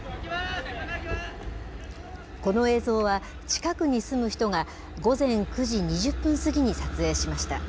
この映像は、近くに住む人が、午前９時２０分過ぎに撮影しました。